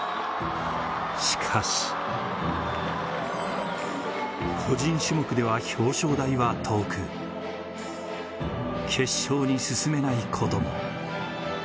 しかし、個人種目では表彰台は遠く決勝に進めないことも。